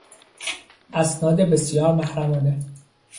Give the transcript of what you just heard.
اسناد بسیار محرمانه